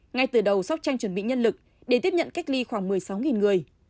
ngay từ đầu sóc trăng chuẩn bị nhân lực để tiếp nhận cách ly khoảng một mươi sáu người